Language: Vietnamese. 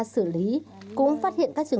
xử lý cố phát hiện các chuyện